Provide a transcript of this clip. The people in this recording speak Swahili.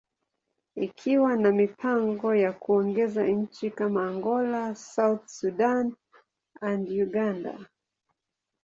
ikiwa na mipango ya kuongeza nchi kama Angola, South Sudan, and Uganda.